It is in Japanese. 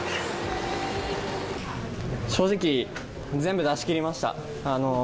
正直、全部出し切りました。